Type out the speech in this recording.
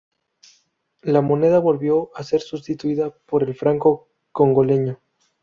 La moneda volvió a ser sustituida por el franco congoleño.